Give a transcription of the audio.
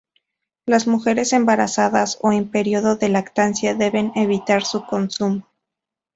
Las mujeres embarazadas o en período de lactancia deben evitar su consumo.